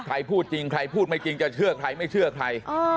ใครพูดจริงใครพูดไม่จริงจะเชื่อใครไม่เชื่อใคร